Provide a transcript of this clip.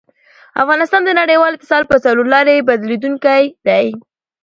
افغانستان د نړیوال اتصال په څلورلاري بدلېدونکی دی.